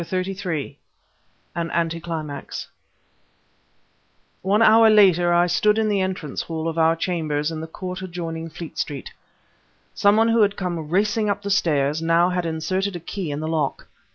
CHAPTER XXXIII AN ANTI CLIMAX One hour later I stood in the entrance hall of our chambers in the court adjoining Fleet Street. Some one who had come racing up the stairs, now had inserted a key in the lock.